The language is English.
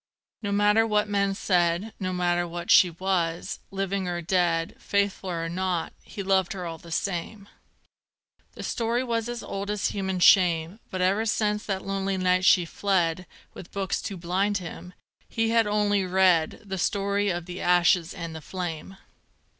No matter what men said, No matter what she was; living or dead, Faithful or not, he loved her all the same. The story was as old as human shame, But ever since that lonely night she fled, With books to blind him, he had only read The story of the ashes and the flame.